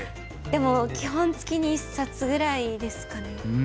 でも基本月に１冊ぐらいですかね。